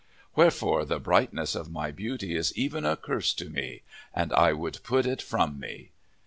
Wherefore the brightness of my beauty is even as a curse to me, and I would put it from me.'